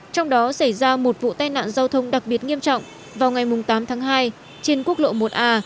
trong đó xảy ra một vụ tai nạn giao thông đặc biệt nghiêm trọng vào ngày tám tháng hai trên quốc lộ một a